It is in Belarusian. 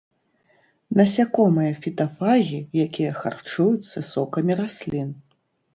Насякомыя-фітафагі, якія харчуюцца сокамі раслін.